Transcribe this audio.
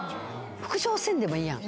復唱せんでもいいやん。